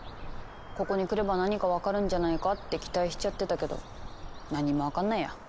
ここに来れば何か分かるんじゃないかって期待しちゃってたけど何も分かんないや！